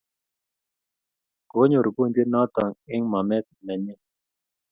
konyor ungojwet noton eng ma met ne nyin